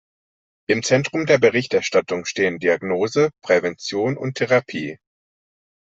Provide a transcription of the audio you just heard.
Im Zentrum der Berichterstattung stehen Diagnose, Prävention und Therapie.